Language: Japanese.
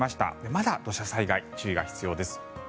まだ土砂災害、注意が必要です。